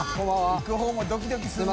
行くほうもドキドキするな。